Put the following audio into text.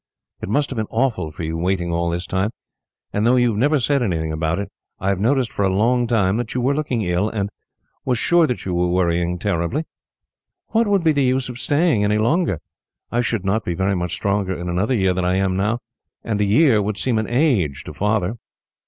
It must have been awful for you, waiting all this time; and though you have never said anything about it, I have noticed for a long time that you were looking ill, and was sure that you were worrying terribly. What would be the use of staying any longer? I should not be very much stronger in another year than I am now, and a year would seem an age, to Father."